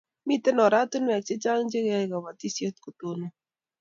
Mito oratinwek chechang che kiyae kabatiset kotonon